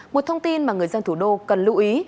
một thông tin mà người dân thủ đô cần lưu ý